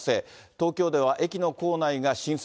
東京では駅の構内が浸水。